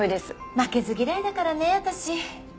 負けず嫌いだからね私。